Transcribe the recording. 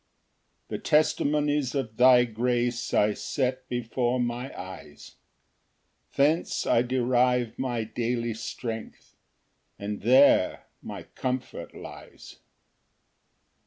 3 The testimonies of thy grace I set before my eyes; Thence I derive my daily strength, And there my comfort lies.